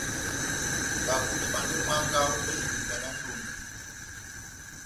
Babumbi bandini ó myánga ópɛlɛ ya ibumba dá ndonda.